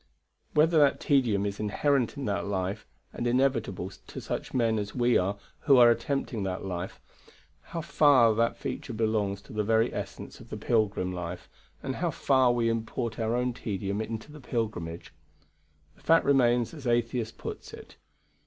Whether that tedium is inherent in that life, and inevitable to such men as we are who are attempting that life; how far that feature belongs to the very essence of the pilgrim life, and how far we import our own tedium into the pilgrimage; the fact remains as Atheist puts it.